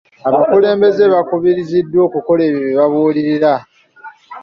Abakulembeze bakubirizibwa okukola ebyo bye babuulirira.